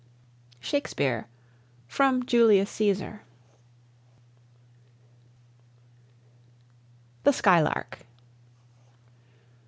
SHAKESPEARE ("Julius Cæsar"). THE SKYLARK.